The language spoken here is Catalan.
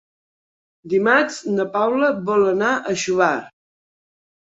Dimarts na Paula vol anar a Xóvar.